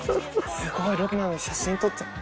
すごいロケなのに写真撮っちゃう。